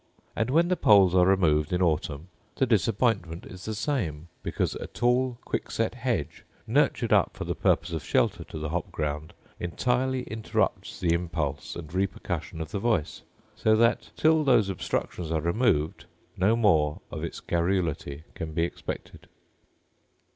And when the poles are removed in autumn the disappointment is the same; because a tall quick set hedge, nurtured up for the purpose of shelter to the hop ground, entirely interrupts the impulse and repercussion of the voice: so that till those obstructions are removed no more of its garrulity can be expected.